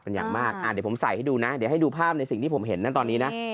เดี๋ยวผมใส่ให้ดูนะเดี๋ยวให้ดูภาพในสิ่งที่ผมเห็นนั่นตอนนี้นะ